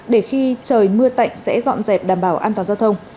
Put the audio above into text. để khi trời mưa tạnh sẽ dọn dẹp đảm bảo an toàn giao thông